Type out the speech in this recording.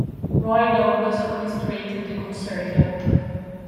Roy Douglas orchestrated the concerto.